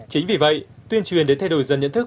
chính vì vậy tuyên truyền đến thay đổi dân nhận thức